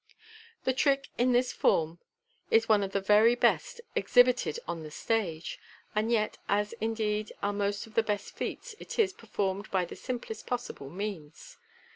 The trick in this form is one of the very best exhibited on the stage, and yet, as indeed are most of the best feats, it is performed by the simplest possible means.